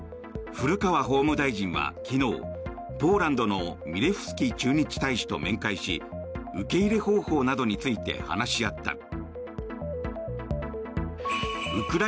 古川法務大臣は昨日ポーランドのミレフスキ駐日大使と面会し受け入れ方法などについて話し合った。